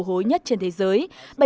điều hối nhất trên thế giới